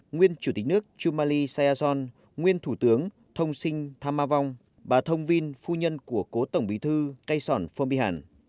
nguyên chủ tịch nước chumali san nguyên thủ tướng thông sinh tham ma vong bà thông vinh phu nhân của cố tổng bí thư cây sòn phong bi hàn